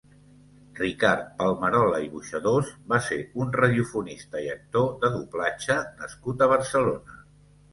Ricard Palmerola i Buxadós va ser un radiofonista i actor de doblatge nascut a Barcelona.